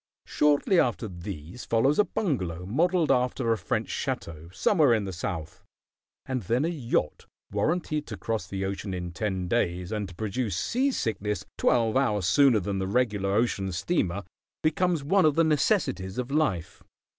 Shortly after these follows a bungalow modelled after a French château, somewhere in the South, and then a yacht warranted to cross the ocean in ten days, and to produce sea sickness twelve hours sooner than the regular ocean steamer, becomes one of the necessities of life.